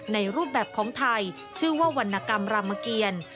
รูปแบบของไทยชื่อว่าวรรณกรรมรามเกียร